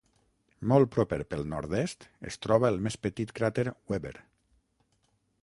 Molt proper pel nord-oest es troba el més petit cràter Weber.